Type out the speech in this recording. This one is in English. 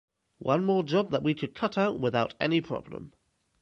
One more job that we could cut out without any problem.